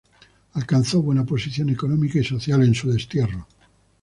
Alcanzó buena posición económica y social en su destierro.